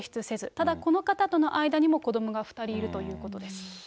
ただこの方との間にも子どもが２人いるということです。